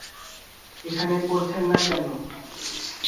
এখানে পড়ছেন না কেন?